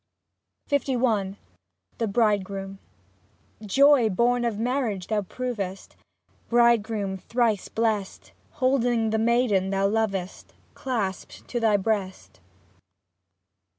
LI THE BRIDEGROOM Joy born of marriage thou provest, Bridegroom thrice blest. Holding the maiden thou lovest Clasped to thy breast.